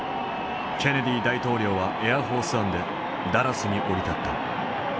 ケネディ大統領はエアフォースワンでダラスに降り立った。